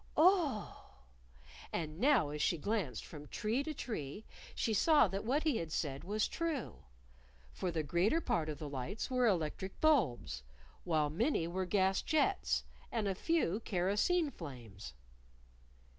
"Oh!" And now as she glanced from tree to tree she saw that what he had said was true. For the greater part of the lights were electric bulbs; while many were gas jets, and a few kerosene flames.